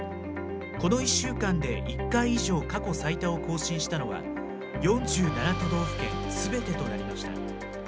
この１週間で１回以上過去最多を更新したのは、４７都道府県すべてとなりました。